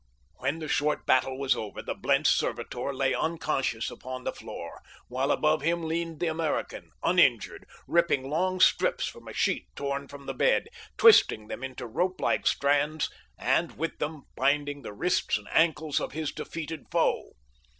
When the short battle was over the Blentz servitor lay unconscious upon the floor, while above him leaned the American, uninjured, ripping long strips from a sheet torn from the bed, twisting them into rope like strands and, with them, binding the wrists and ankles of his defeated foe.